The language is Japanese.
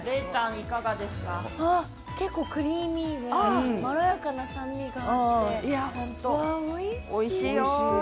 結構クリーミーでまろやかな酸味があって、わぁ、おいしい。